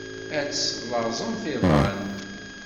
Ad teslaẓemt iḍan.